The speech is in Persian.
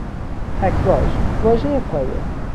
تکواژ، واژهی پایه